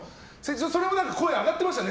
それも声が上がってましたね